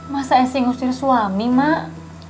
masa esi ngusir suami mak